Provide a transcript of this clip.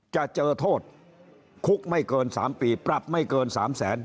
จะเจอโทษคุกไม่เกิน๓ปีปรับไม่เกิน๓แสน